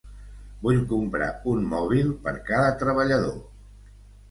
Vull comprar un mòbil per cada treballador.